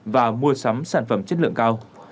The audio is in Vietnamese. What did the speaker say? và mua sắm sản phẩm chất lượng cao